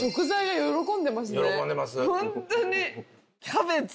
喜んでます。